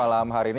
a sampai z